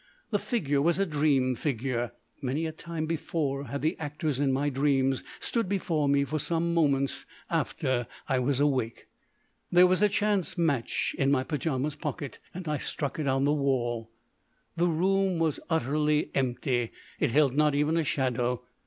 The figure was a dream figure. Many a time before had the actors in my dreams stood before me for some moments after I was awake... There was a chance match in my pyjamas' pocket, and I struck it on the wall. The room was utterly empty. It held not even a shadow.